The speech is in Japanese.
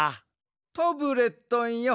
タブレットンよ